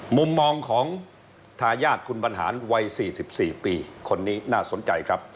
มุมมองของทายาทคุณบรรหารวัย๔๔ปีคนนี้น่าสนใจครับ